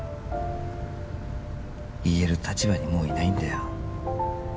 言える立場にもういないんだよ